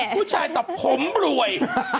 ผู้ชายตอบผมรวย